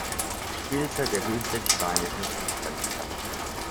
Spielzeit der höchsten spanischen Fußballliga.